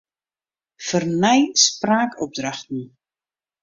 Fernij spraakopdrachten.